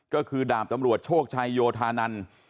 ก็คือดาบตำรวจโชคชัยโยธานัน